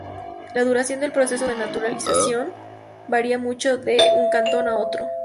La duración del proceso de naturalización varía mucho de un cantón a otro.